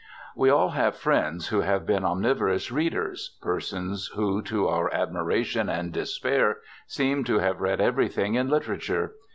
We all have friends who have been omniverous readers, persons who, to our admiration and despair, seem to have read everything in "literature."